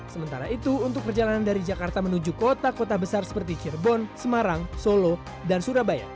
sementara itu untuk perjalanan dari jakarta menuju kota kota besar seperti cirebon semarang solo dan surabaya